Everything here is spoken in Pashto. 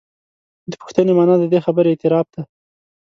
د پوښتنې معنا د دې خبرې اعتراف دی.